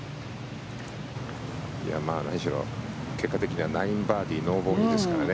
何しろ結果的には９バーディーノーボギーですからね。